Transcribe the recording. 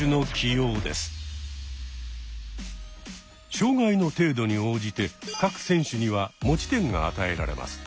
障害の程度に応じて各選手には持ち点が与えられます。